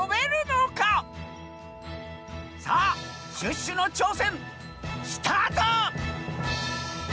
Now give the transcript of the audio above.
さあシュッシュのちょうせんスタート！